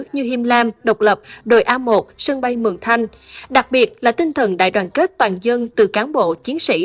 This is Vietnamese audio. như hiêm lam độc lập đồi a một sân bay mường thanh đặc biệt là tinh thần đại đoàn kết toàn dân từ cán bộ chiến sĩ